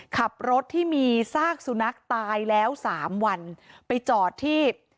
ขับรถที่มีซากสุนัขตายแล้วสามวันไปจอดที่